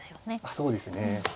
そうですね。